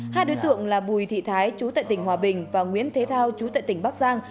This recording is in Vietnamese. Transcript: hai đối tượng là bùi thị thái chú tại tỉnh hòa bình và nguyễn thế thao chú tại tỉnh bắc giang